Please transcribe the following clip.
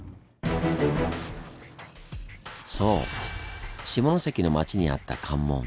そう下関の町にあった「関門」